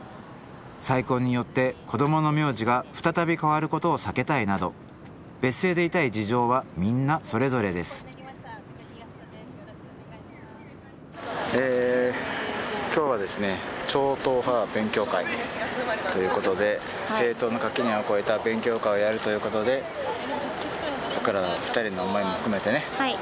再婚によって子どもの名字が再び変わることを避けたいなど別姓でいたい事情はみんなそれぞれですえ今日はですね超党派勉強会ということで政党の垣根を超えた勉強会をやるということで僕ら２人の思いも含めてねぶつけてまいりましょう。